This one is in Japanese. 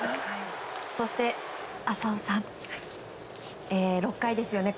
そして浅尾さん、６回ですね。